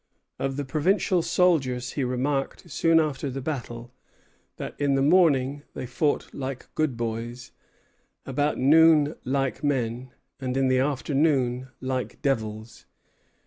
Of the provincial soldiers he remarked soon after the battle that in the morning they fought like good boys, about noon like men, and in the afternoon like devils.